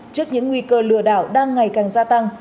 trước những nguy cơ lừa đảo đang ngày càng gia tăng